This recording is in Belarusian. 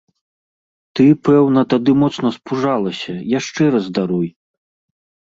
Ты, пэўна, тады моцна спужалася, яшчэ раз даруй!